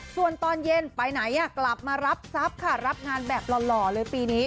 ส่วนตอนเย็นไปไหนกลับมารับทรัพย์ค่ะรับงานแบบหล่อเลยปีนี้